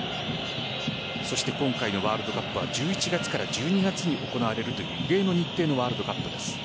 今回のワールドカップは１１月から１２月に行われるという異例の日程のワールドカップです。